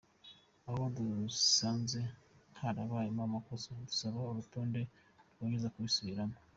Aho dusanze harabayemo amakosa dusaba ko urutonde rwongera gusubirwamo.